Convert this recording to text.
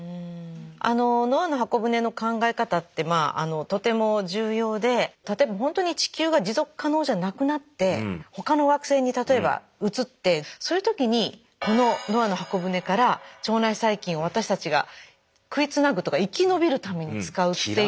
あのノアの方舟の考え方ってとても重要で例えば本当に地球が持続可能じゃなくなって他の惑星に例えば移ってそういう時にこのノアの方舟から腸内細菌を私たちが食いつなぐとか生き延びるために使うっていう。